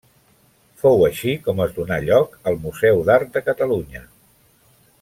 Fou així com es donà lloc al Museu d'Art de Catalunya.